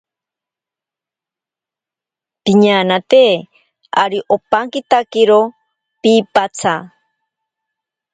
Piñanate ari ompankitakiro piipatsa.